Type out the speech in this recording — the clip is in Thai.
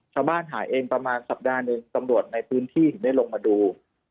ชาวบ้านหาเองประมาณสัปดาห์หนึ่งตำรวจในพื้นที่ถึงได้ลงมาดู